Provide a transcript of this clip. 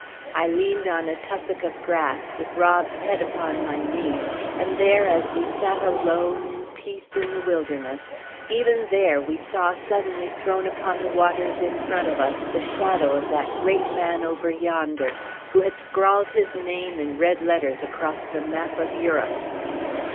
I leaned on a tussock of grass, with Rob's head upon my knee, and there as we sat alone in peace in the wilderness, even there we saw suddenly thrown upon the waters in front of us the shadow of that great man over yonder, who had scrawled his name in red letters across the map of Europe.